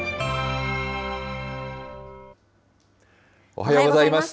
おはようございます。